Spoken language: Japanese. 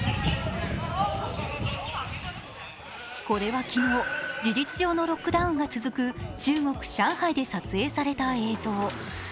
これは昨日事実上のロックダウンが続く中国・上海で撮影された映像。